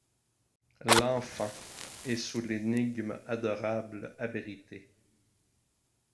L’enfant. est sous l’énigme adorable abrité. ;